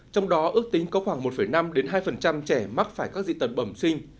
trong đó ước tính có khoảng một năm hai trẻ mắc phải các dị tật bẩm sinh